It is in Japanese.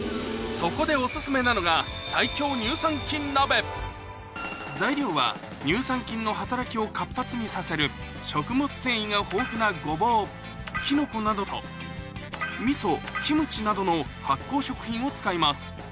そこでお薦めなのが材料は乳酸菌の働きを活発にさせる食物繊維が豊富なゴボウきのこなどとみそキムチなどの発酵食品を使います